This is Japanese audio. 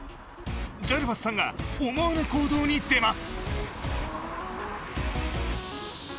ジャルバスさんが思わぬ行動に出ます。